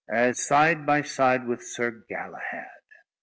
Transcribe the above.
as side by side with Sir Galahad!